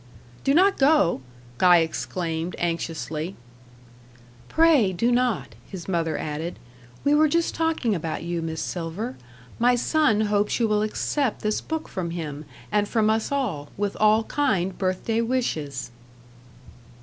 "Do not go," Guy exclaimed, anxiously. "Pray do not," his mother added; "we were just talking about you, Miss Silver. My son hopes you will accept this book from him, and from us all, with all kind birthday wishes."